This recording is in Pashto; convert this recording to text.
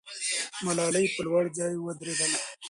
ملالۍ په لوړ ځای درېدله.